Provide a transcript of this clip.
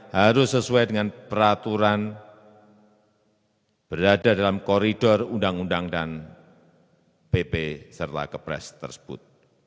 harus sesuai dengan peraturan berada dalam koridor undang undang dan pp serta kepres tersebut